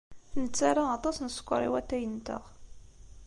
Nettarra aṭas n sskeṛ i watay-nteɣ.